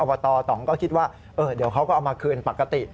บตต่องก็คิดว่าเดี๋ยวเขาก็เอามาคืนปกติ